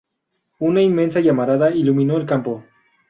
Una inmensa llamarada iluminó el campo.